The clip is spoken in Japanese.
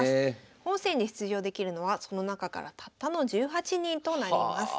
本戦に出場できるのはその中からたったの１８人となります。